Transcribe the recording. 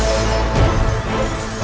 aku akan menangkan gusti ratu